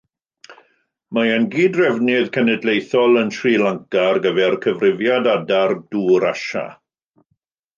Mae e'n gyd-drefnydd cenedlaethol yn Sri Lanka ar gyfer Cyfrifiad Adar Dŵr Asia.